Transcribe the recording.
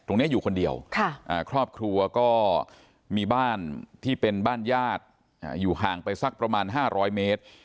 อยู่คนเดียวครอบครัวก็มีบ้านที่เป็นบ้านญาติอยู่ห่างไปสักประมาณ๕๐๐เมตร